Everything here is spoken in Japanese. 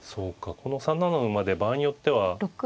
この３七馬で場合によっては。